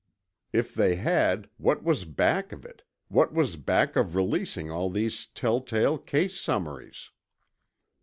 If they had, what was back of it—what was back of releasing all of these telltale case summaries?